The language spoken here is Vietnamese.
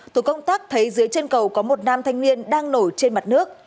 tổ công tác thấy dưới chân cầu có một nam thanh niên đang nổi trên mặt nước